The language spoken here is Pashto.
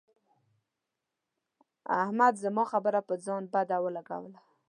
احمد زما خبره پر ځان بده ولګوله.